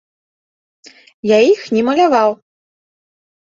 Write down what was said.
Я іх не маляваў.